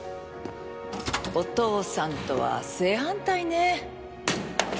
お父さんとは正反対ね。